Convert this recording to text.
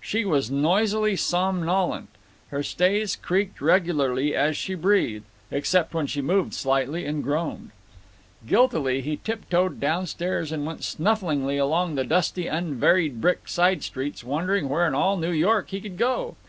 She was noisily somnolent; her stays creaked regularly as she breathed, except when she moved slightly and groaned. Guiltily he tiptoed down stairs and went snuffling along the dusty unvaried brick side streets, wondering where in all New York he could go.